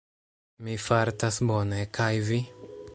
Mi fartas bone, kaj vi?